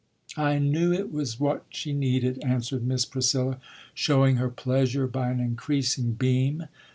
"I knew it was what she needed," answered Miss Priscilla, showing her pleasure by an increasing beam.